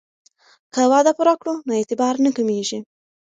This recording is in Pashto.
که وعده پوره کړو نو اعتبار نه کمیږي.